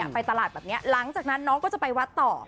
ไปตลาดแบบนี้หลังจากนั้นน้องก็จะไปวัดต่อ